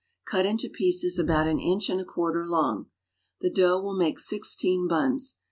Cut into pieces about an inch and a (piarter long. riie dough \\ill make sixteen buns.